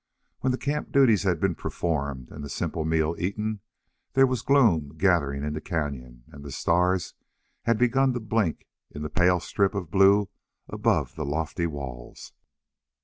When the camp duties had been performed and the simple meal eaten there was gloom gathering in the cañon and the stars had begun to blink in the pale strip of blue above the lofty walls.